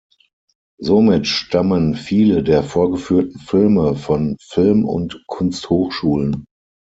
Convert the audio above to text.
Somit stammen viele der vorgeführten Filme von Film- und Kunsthochschulen.